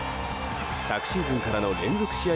昨シーズンからの連続試合